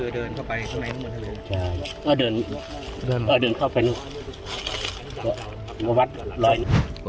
ตอนนี้เจออะไรบ้างครับ